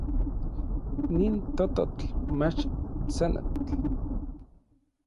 Nin tototl mach tsanatl.